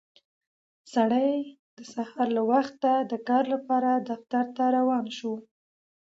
سړی د سهار له وخته د کار لپاره دفتر ته روان شو